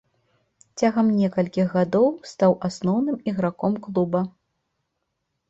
Цягам некалькіх гадоў стаў асноўным іграком клуба.